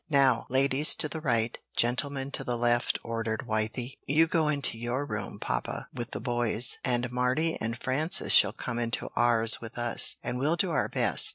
"Now, ladies to the right; gentlemen to the left," ordered Wythie. "You go into your room, papa, with the boys, and Mardy and Frances shall come into ours with us, and we'll do our best.